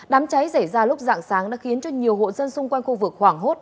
đám cháy xảy ra lúc dạng sáng đã khiến cho nhiều hộ dân xung quanh khu vực hoảng hốt